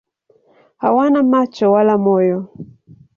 Hawana macho wala moyo.